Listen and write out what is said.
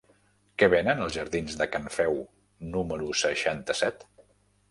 Què venen als jardins de Can Feu número seixanta-set?